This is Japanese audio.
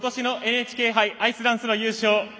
ことしのＮＨＫ杯アイスダンスの優勝